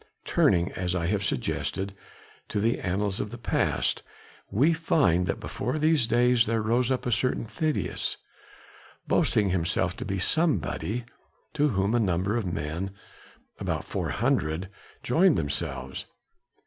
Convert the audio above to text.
Turning, as I have suggested, to the annals of the past, we find that before these days there rose up a certain Theudas, boasting himself to be somebody, to whom a number of men, about four hundred, joined themselves.